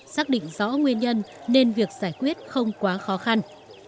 xác định rõ nguyên nhân nên việc giải quyết không quá khó khăn